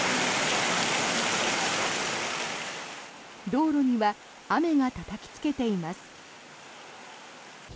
道路には雨がたたきつけています。